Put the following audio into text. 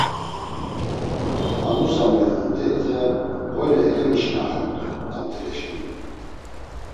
A nusa miyonun deyite, boyne elemişinaxamt̆u damtireşǩimi!